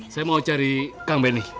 saya mau cari kang benny